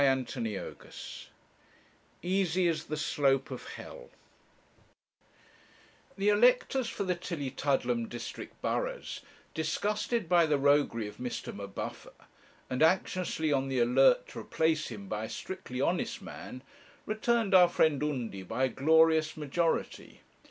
CHAPTER XXIX EASY IS THE SLOPE OF HELL The electors for the Tillietudlem district burghs, disgusted by the roguery of Mr. M'Buffer, and anxiously on the alert to replace him by a strictly honest man, returned our friend Undy by a glorious majority.